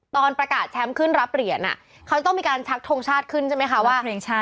ตอนประกาศแชมป์ขึ้นรับเหรียญเขาจะต้องมีการชักทงชาติขึ้นใช่ไหมคะว่า